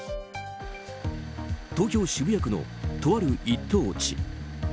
東京・渋谷区のとある一等地。